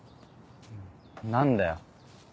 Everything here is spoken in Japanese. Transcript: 何だよ。